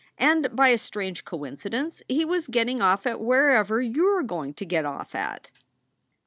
And by a strange coincidence he was getting off at wherever you re going to get off at."